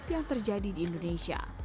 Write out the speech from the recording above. yang terjadi di indonesia